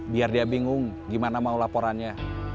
biar dia bingung gimana mau laporannya